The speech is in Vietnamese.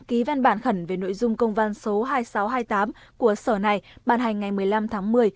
ký văn bản khẩn về nội dung công văn số hai nghìn sáu trăm hai mươi tám của sở này bàn hành ngày một mươi năm tháng một mươi